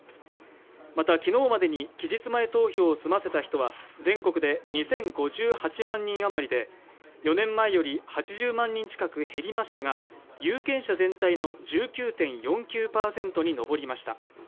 また昨日までに期日前投票を済ませた人は全国で２０５８万人あまりで４年前より８０万人近く減りましたが有権者全体の１９．４９％に上りました。